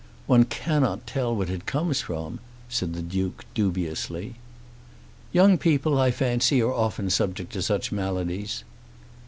"One cannot tell what it comes from," said the Duke dubiously. "Young people, I fancy, are often subject to such maladies."